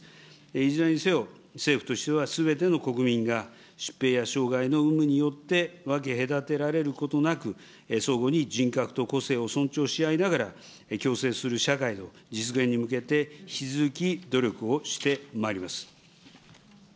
いずれにせよ、政府としてはすべての国民が疾病や障害の有無によって分け隔てられることなく、相互に人格と個性を尊重し合いながら、共生する社会の実現に向けて、引き続き努力をしてまいります。